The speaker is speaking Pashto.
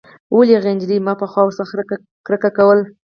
ولې هغه نجلۍ چې ما پخوا ورڅخه کرکه کوله.